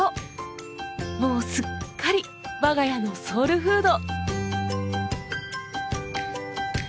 もうすっかり我が家のソウルフード！